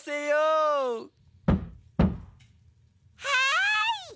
はい！